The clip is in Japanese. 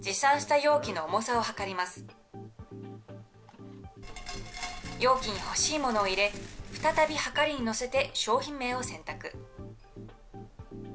容器に欲しいものを入れ、再びはかりに載せて、商品名を選択。